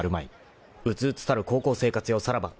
［うつうつたる高校生活よさらば。